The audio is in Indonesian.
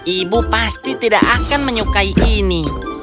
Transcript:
ibu pasti tidak akan menyukai ini